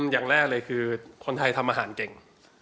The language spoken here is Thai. อย่างแรกเลยคือคนไทยทำอาหารเก่ง